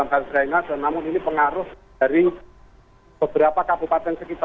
antara lain makanan siap saji